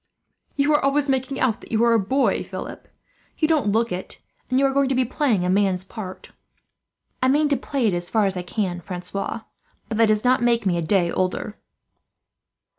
"You are always making out that you are a boy, Philip. You don't look it, and you are going to play a man's part." "I mean to play it as far as I can, Francois; but that does not really make me a day older."